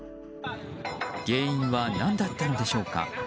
原因は何だったのでしょうか。